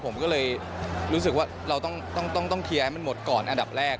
ผมก็เลยรู้สึกว่าเราต้องเคลียร์ให้มันหมดก่อนอันดับแรก